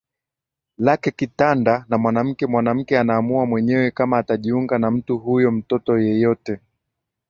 lake kitanda na mwanamke Mwanamke anaamua mwenyewe kama atajiunga na mtu huyo Mtoto yeyote